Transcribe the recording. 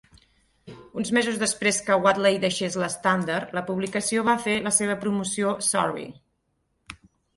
Un mesos després que Wadley deixés l'"Standard", la publicació va fer la seva promoció "Sorry".